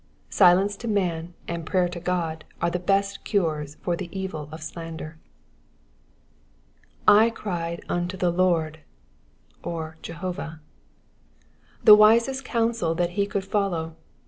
Silence to man and prayer to God are the best cures for the evil of slander. / cried unto the Lord " (or Jehovah). The wisest course that he could follow.